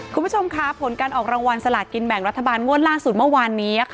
คุณผู้ชมค่ะผลการออกรางวัลสลากินแบ่งรัฐบาลงวดล่าสุดเมื่อวานนี้